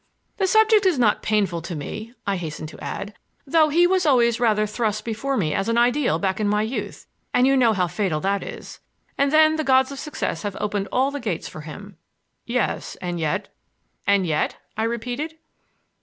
"The subject is not painful to me," I hastened to add, "though he was always rather thrust before me as an ideal back in my youth, and you know how fatal that is. And then the gods of success have opened all the gates for him." "Yes,—and yet—" "And yet—" I repeated.